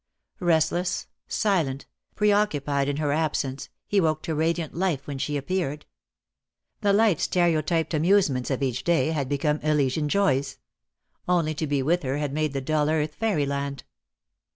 Restless, silent, pre occupied in her absence, he woke to radiant life when she appeared. The light stereo typed amusements of each day had become Elysian joys. Only to be with her had made the dull earth fairy land.